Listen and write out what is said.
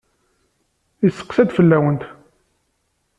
Yesseqsa-d fell-awent.